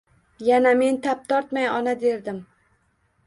Yana men tap tortmay Ona derdim